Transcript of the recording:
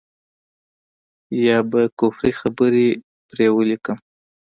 يا به کفري خبرې پرې وليکم.